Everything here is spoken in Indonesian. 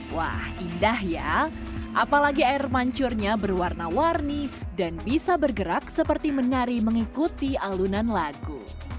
wah indah ya apalagi air mancurnya berwarna warni dan bisa bergerak seperti menari mengikuti alunan lagu